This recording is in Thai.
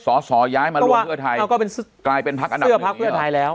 ก็แกล่งเป็นเสื้อพักเพื่อไทยแล้ว